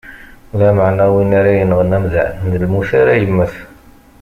Lameɛna win ara yenɣen amdan, d lmut ara yemmet.